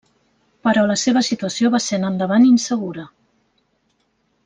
Però la seva situació va ser en endavant insegura.